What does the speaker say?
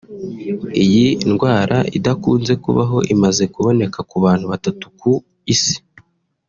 Iyi ndwara idakunze kubaho imaze kuboneka ku bantu batatu ku isi